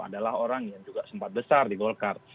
adalah orang yang juga sempat besar di golkar